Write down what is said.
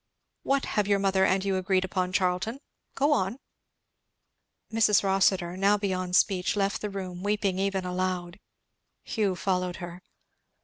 What have your mother and you agreed upon, Charlton? go on!" Mrs. Rossitur, now beyond speech, left the room, weeping even aloud. Hugh followed her.